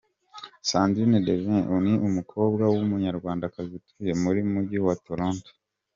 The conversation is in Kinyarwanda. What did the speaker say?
Sandrine De Vincent ni Umukobwa w’Umunyarwandakazi utuye mu Mujyi wa Toronto.